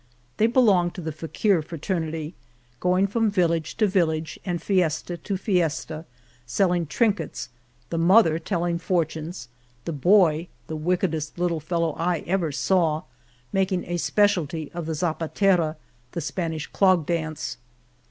They belonged to the fakir fraternity, going from village to village, and fiesta to fiesta, selling trinkets, the mother telling fortunes, the boy, the wickedest little fellow I ever saw, mak ing a specialty of the zapatera, the Spanish clog dance.